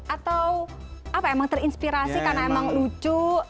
atau apa emang terinspirasi karena emang lucu